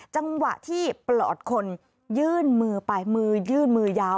จังหวะที่ปลอดคนยื่นมือไปมือยื่นมือยาว